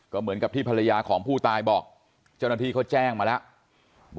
ก็เหมือนกับที่ภรรยาของผู้ตายบอกเจ้าหน้าที่เขาแจ้งมาแล้ว